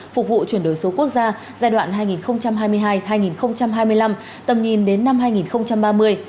phục vụ chuyển đổi số quốc gia giai đoạn hai nghìn hai mươi hai hai nghìn hai mươi năm tầm nhìn đến năm hai nghìn ba mươi